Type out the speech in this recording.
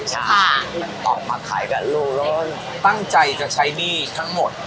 ใช่บางทีออกมาไข่กันลูกล้มตั้งใจจะใช้หนี้ทั้งหมด